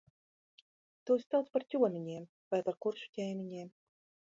Tos sauc par ķoniņiem, vai par kuršu ķēniņiem.